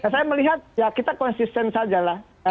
saya melihat ya kita konsisten sajalah